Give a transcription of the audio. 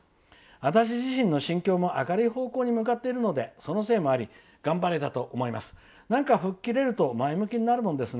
私自身の心境も明るい方向に向かっているのでそのせいもあり頑張れたと思います。